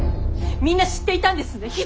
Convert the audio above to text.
みんな知っていたんですね。